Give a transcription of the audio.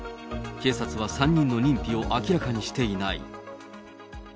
警察は３人の認否を明らかにしていない。